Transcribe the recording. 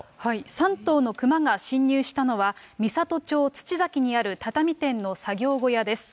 ３頭のクマが侵入したのは、三郷町つちざきにある畳店の作業小屋です。